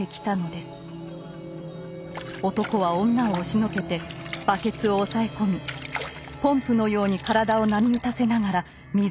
男は女を押しのけてバケツを押さえ込みポンプのように体を波打たせながら水を飲みます。